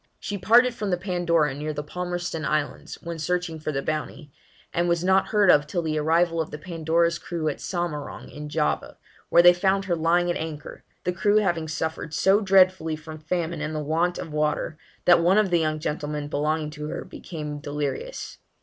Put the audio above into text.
She parted from the Pandora near the Palmerston Islands, when searching for the Bounty, and was not heard of till the arrival of the Pandora's crew at Samarang, in Java, where they found her lying at anchor, the crew having suffered so dreadfully from famine and the want of water, that one of the young gentlemen belonging to her became delirious.